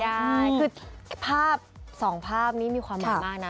อดคิดถึงได้คือภาพสองภาพนี้มีความหมายมากนะ